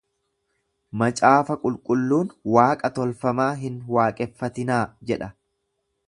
Macaafa qulqulluun waaqa tolfamaa hin waaqeffatinaa jedha.